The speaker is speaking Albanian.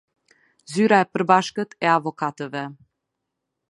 Zyra e përbashkët e avokatëve.